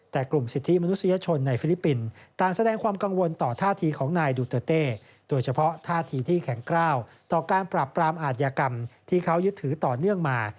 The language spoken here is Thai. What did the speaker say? แต่กลุ่มสิทธิมนุษยชนในฟิลิปปินส์ต่างแสดงความกังวลต่อท่าทีของนายดูเตอร์เต้โดยเฉพาะท่าทีที่แข็งกล้าวต่อการปรับปรามอาทยากรรมที่เขายึดถือต่อเนื่องมา